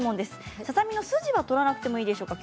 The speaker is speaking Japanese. ささ身の筋は取らなくてもいいですか？